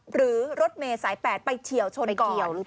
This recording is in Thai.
หรือรถเมย์สายแปดไปเฉียวชนก่อน